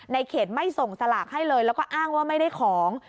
ในเขตไม่ส่งสลากให้เลยแล้วก็อ้างว่าไม่ได้ของ